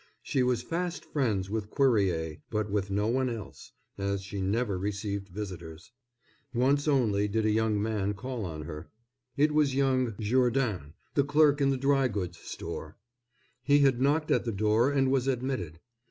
She was fast friends with Cuerrier, but with no one else, as she never received visitors. Once only did a young man call on her. It was young Jourdain, the clerk in the dry goods store. He had knocked at the door and was admitted.